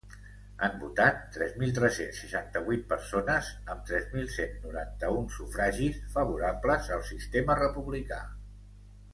Han votat tres mil tres-cents seixanta-vuit persones amb tres mil cent noranta-un sufragis favorables al sistema republicà.